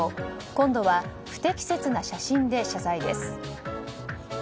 今度は不適切な写真で謝罪です。